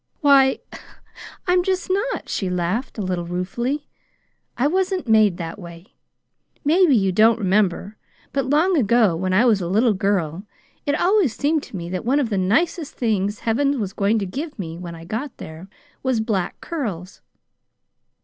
"Why, I just am not," she laughed, a little ruefully. "I wasn't made that way. Maybe you don't remember, but long ago, when I was a little girl, it always seemed to me that one of the nicest things Heaven was going to give me when I got there was black curls."